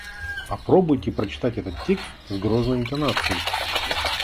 Попробуйте прочитать этот текст с грозной интонацией.